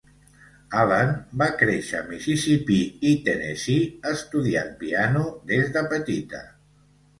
Allen va créixer a Mississipí i Tennessee, estudiant piano des de petita.